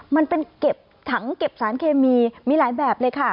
มันเป็นเก็บถังเก็บสารเคมีมีหลายแบบเลยค่ะ